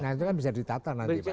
nah itu kan bisa ditata nanti